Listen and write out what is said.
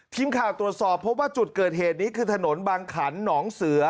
ทีมข่าวตรวจสอบพบว่าจุดเกิดเหตุนี้คือถนนบางขันหนองเสือ